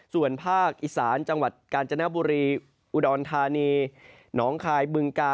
ส่วนภาคอีสานจังหวัดกาญจนบุรีอุดรธานีหนองคายบึงกา